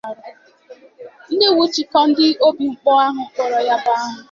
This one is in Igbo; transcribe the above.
iji nwụchikọọ ndị obikpọnkụ ahụ kpara ya bụ arụ